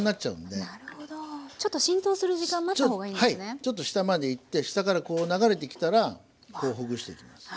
ちょっと下までいって下からこう流れてきたらこうほぐしていきます。